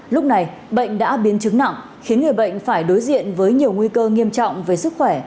lúc này bệnh đã biến chứng nặng khiến người bệnh phải đối diện với nhiều nguy cơ nghiêm trọng về sức khỏe